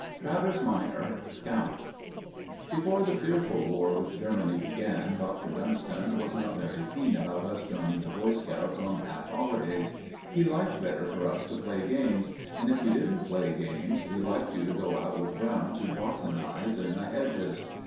TRAVERS MINOR, SCOUT Before the fearful war with Germany began, Dr. Dunston was not very keen about us joining the Boy Scouts on half holidays. He liked better for us to play games; and if you didn't play games, he liked you to go out with Brown to botanize in the hedges.